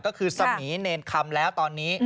ก็คือสมีเนรคำแล้วตอนนี้